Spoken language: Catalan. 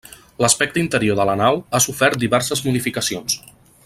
L'aspecte interior de la nau ha sofert diverses modificacions.